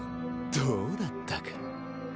どうだったか。